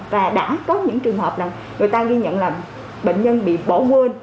và đã có những trường hợp là người ta ghi nhận là bệnh nhân bị bỏ quên